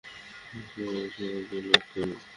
তিনি তার আয়াতসমূহ তিলাওয়াত করেন।